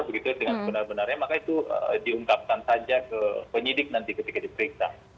begitu dengan benar benarnya maka itu diungkapkan saja ke penyidik nanti ketika diperiksa